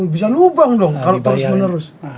bisa lubang dong kalau terus menerus